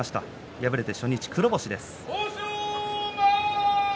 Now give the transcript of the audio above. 敗れて初日、黒星です。